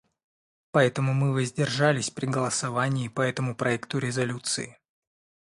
Поэтому мы воздержались при голосовании по этому проекту резолюции.